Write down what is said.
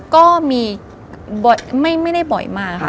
ก็มีไม่ได้บ่อยมากค่ะ